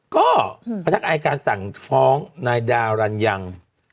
ก็ประทักษณ์อายการสั่งฟ้องในดารันยัง